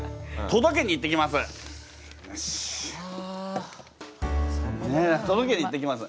とどけに行ってきます。